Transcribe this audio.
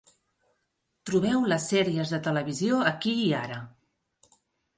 Trobeu les sèries de televisió aquí i ara.